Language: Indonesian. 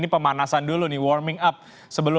pemanasan yang selalu